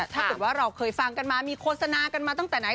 ถ้าเกิดว่าเราเคยฟังกันมามีโฆษณากันมาตั้งแต่ไหน